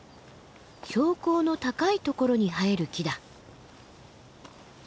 標高の高いところに生える木だ。